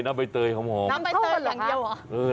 น้ำใบเตยอย่างเดียวหรอ